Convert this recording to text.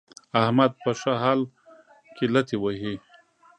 احمد په ښه حال کې لتې وهي.